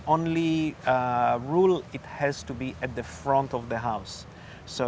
dan peraturan terakhir adalah di depan rumah